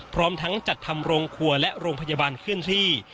พร้อมทั้งจัดทำโรงครัวและโรงพยาบาลเคลื่อนที่